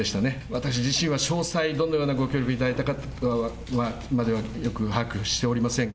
私自身は、詳細、どのようなご協力いただいたかまではよく把握しておりません。